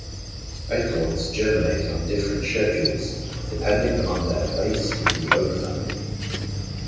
Acorns germinate on different schedules, depending on their place in the oak family.